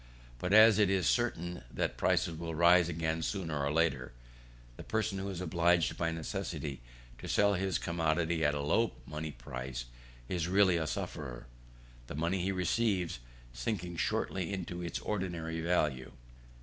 But as it is certain that prices will rise again sooner or later, the person who is obliged by necessity to sell his commodity at a low money price is really a sufferer, the money he receives sinking shortly to its ordinary value.